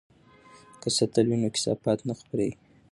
که سطل وي نو کثافات نه خپریږي.